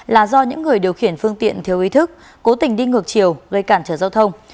là do những người điều khiển phương tiện thiếu ý thức cố tình đi ngược chiều gây cản trở giao thông